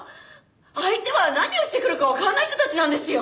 相手は何をしてくるかわからない人たちなんですよ！？